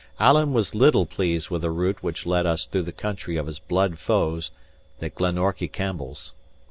Alan was little pleased with a route which led us through the country of his blood foes, the Glenorchy Campbells.